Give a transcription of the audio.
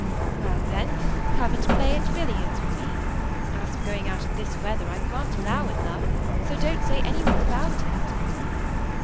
" Well, then, come and play at billiards with me ; as for going out in this weather, I can't allow it, love ; so don't say any more about it."